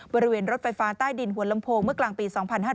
รถไฟฟ้าใต้ดินหัวลำโพงเมื่อกลางปี๒๕๕๙